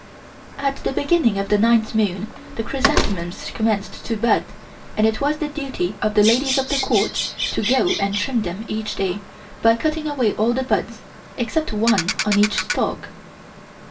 At the beginning of the ninth moon the chrysanthemums commence to bud and it was the duty of the ladies of the Court to go and trim them each day by cutting away all the buds except one on each stalk.